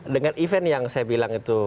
dengan event yang saya bilang itu